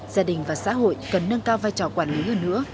gia đình và xã hội cần nâng cao vai trò quản lý hơn nữa